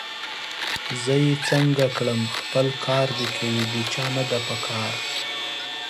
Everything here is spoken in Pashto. زه یې څنګه کړم! خپل کار دي کوي، د چا نه ده پکار